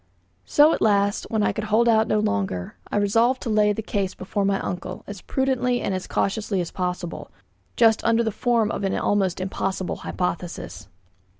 So, at last, when I could hold out no longer, I resolved to lay the case before my uncle, as prudently and as cautiously as possible, just under the form of an almost impossible hypothesis.